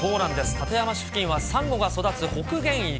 館山市付近はサンゴが育つ北限域。